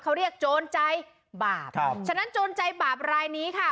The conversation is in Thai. เขาเรียกโจรใจบาปครับฉะนั้นโจรใจบาปรายนี้ค่ะ